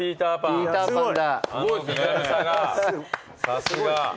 さすが。